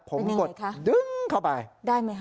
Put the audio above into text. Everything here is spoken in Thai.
ผมกดดึงเข้าไป